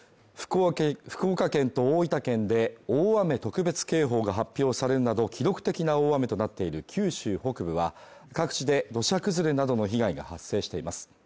福岡県と大分県で大雨特別警報が発表されるなど記録的な大雨となっている九州北部は各地で土砂崩れなどの被害が発生しています。